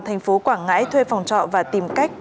thành phố quảng ngãi thuê phòng trọ và tìm cách